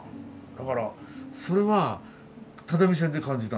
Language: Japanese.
だからそれは只見線で感じたの。